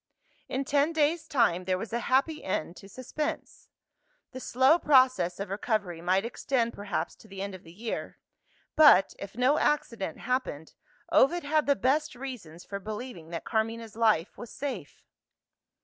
In ten days' time, there was a happy end to suspense. The slow process of recovery might extend perhaps to the end of the year. But, if no accident happened, Ovid had the best reasons for believing that Carmina's life was safe.